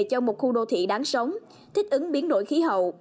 cho một khu đô thị đáng sống thích ứng biến đổi khí hậu